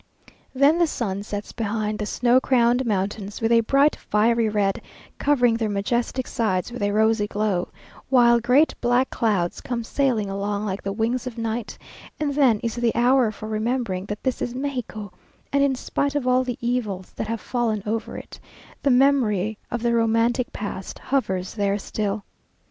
Then the sun sets behind the snow crowned mountains with a bright fiery red, covering their majestic sides with a rosy glow, while great black clouds come sailing along like the wings of night; and then is the hour for remembering that this is Mexico, and in spite of all the evils that have fallen over it, the memory of the romantic past hovers there still.